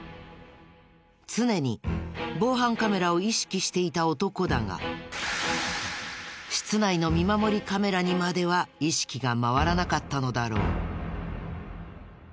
常に防犯カメラを意識していた男だが室内の見守りカメラにまでは意識が回らなかったのだろう。